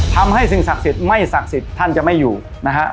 ทำให้สิ่งศักดิ์สิทธิ์ไม่ศักดิ์สิทธิ์ท่านจะไม่อยู่นะฮะ